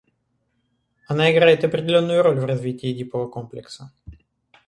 Она играет определенную роль в развитии Эдипова комплекса.